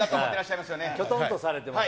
きょとんとされてます。